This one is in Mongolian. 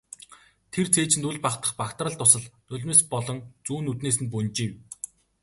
Тэр цээжинд үл багтах багтрал дусал нулимс болон зүүн нүднээс нь бөнжийв.